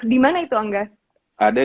dimana itu angga ada